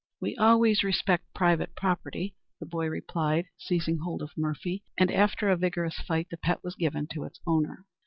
"We always respect private property," the boy replied, seizing hold of "Murphy"; and after a vigorous fight, the pet was given to its owner.